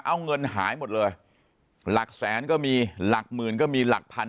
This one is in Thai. เอาเงินหายหมดเลยหลักแสนก็มีหลักหมื่นก็มีหลักพัน